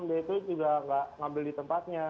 dia itu juga nggak ngambil di tempatnya